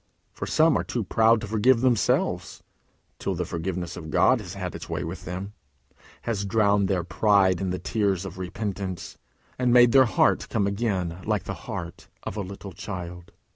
For some are too proud to forgive themselves, till the forgiveness of God has had its way with them, has drowned their pride in the tears of repentance, and made their heart come again like the heart of a little child.